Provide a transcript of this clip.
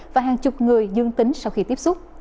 và hàng chục người dương tính sau khi tiếp xúc